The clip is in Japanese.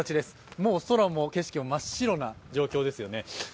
もう空も景色も真っ白な状況ですよね。